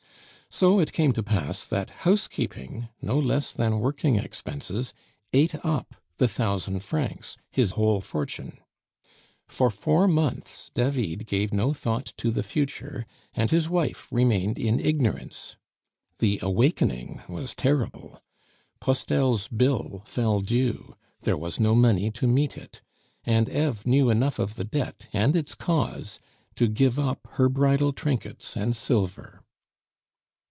So it came to pass that housekeeping, no less than working expenses, ate up the thousand francs, his whole fortune. For four months David gave no thought to the future, and his wife remained in ignorance. The awakening was terrible! Postel's bill fell due; there was no money to meet it, and Eve knew enough of the debt and its cause to give up her bridal trinkets and silver.